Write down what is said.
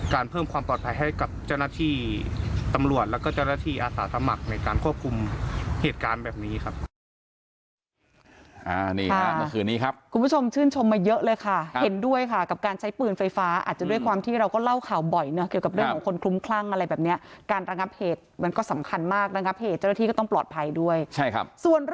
เพิ่มความปลอดภัยให้กับเจ้าหน้าที่ตำรวจแล้วก็เจ้าหน้าที่อาสาสมัครในการควบคุมเหตุการณ์แบบนี้ครับ